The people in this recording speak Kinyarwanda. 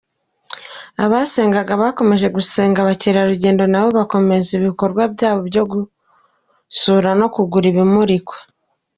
Abasengaga bakomeje gusenga abakerarugendo na bo bakomeza ibikorwa byabo byo gusura no kugura ibimurikwa.